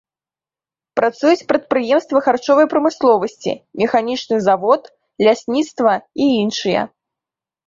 Працуюць прадпрыемствы харчовай прамысловасці, механічны завод, лясніцтва і іншыя.